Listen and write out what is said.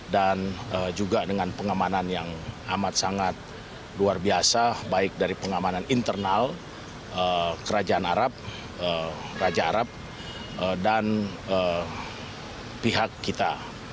dan juga dengan pengamanan yang amat sangat luar biasa baik dari pengamanan internal kerajaan arab raja arab dan pihak kita